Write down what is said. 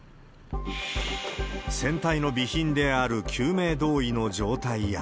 船体の備品である救命胴衣の状態や。